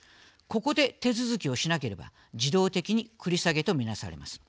ここで手続きをしなければ自動的に繰り下げとみなされます。